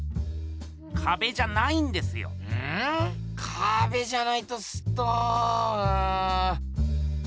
かべじゃないとすっとうん。